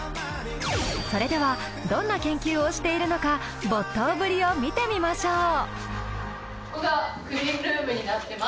それではどんな研究をしているのか没頭ぶりを見てみましょう。